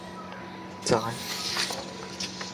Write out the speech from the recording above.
內神通外鬼